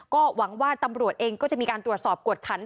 ก็หวังว่าตำรวจเองก็จะมีการตรวจสอบกวดขัน